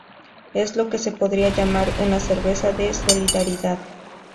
Es lo que se podría llamar una "cerveza de solidaridad".